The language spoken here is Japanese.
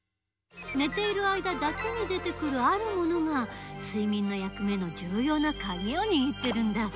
寝ている間だけに出てくるあるものが睡眠の役目のじゅうようなカギをにぎってるんだ。